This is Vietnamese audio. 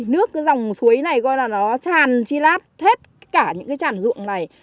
nước cái dòng suối này coi là nó tràn chi lát hết cả những cái tràn ruộng này